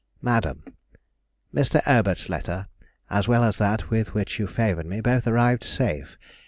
MADAM,— Mr. Aubert's letter, as well as that with which you favoured me, both arrived safe.